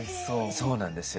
そうなんですよ。